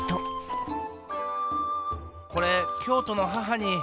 これ京都の母に。